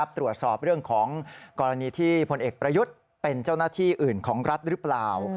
ตรวจสอบเรื่องของกรณีที่พลเอกประยุทธ์เป็นเจ้าหน้าที่อื่นของรัฐหรือเปล่า